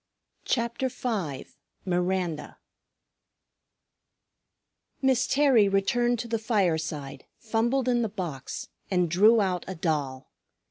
_" CHAPTER V MIRANDA Miss Terry returned to the fireside, fumbled in the box, and drew out a doll.